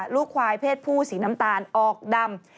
ลูกควายเพศผู้สีน้ำตาลออกดำ